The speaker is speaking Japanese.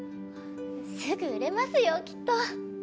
すぐ売れますよきっと。